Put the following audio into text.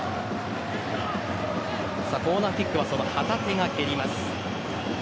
コーナーキックはその旗手が蹴ります。